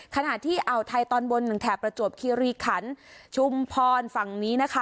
ขณะที่อ่าวไทยตอนบนหนึ่งแถบประจวบคิริขันชุมพรฝั่งนี้นะคะ